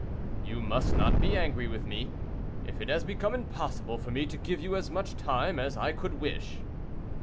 "You must not be angry with me, if it has become impossible for me to give you as much time as I could wish."